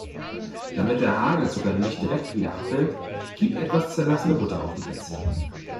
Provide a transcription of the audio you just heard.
Damit der Hagelzucker nicht direkt wieder abfällt, gib etwas zerlassene Butter auf die Plätzchen.